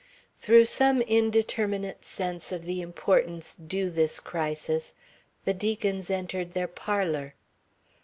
Through some indeterminate sense of the importance due this crisis, the Deacons entered their parlour.